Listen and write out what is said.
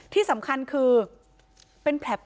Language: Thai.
ที่สำคัญคือ